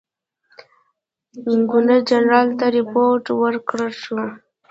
ګورنر جنرال ته رپوټ ورکړه شو.